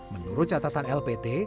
menurut catatan lpt